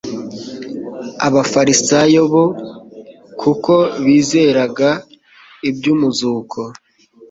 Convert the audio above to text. Abafarisayo bo, kuko bizeraga iby'umuzuko